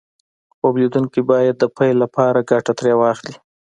خوب ليدونکي بايد د پيل لپاره ګټه ترې واخلي.